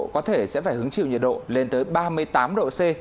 có thể sẽ phải hứng chịu nhiệt độ lên tới ba mươi tám độ c